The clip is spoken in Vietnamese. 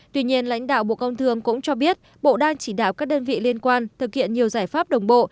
tuy nhiên lãnh đạo bộ công thương cũng cho biết bộ đang chỉ đạo các đơn vị liên quan thực hiện nhiều giải pháp đồng bộ